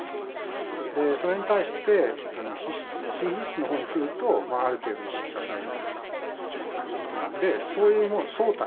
それに対して新皮質の方に来るとある程度意識化されてくるということなんでそういう総体ですね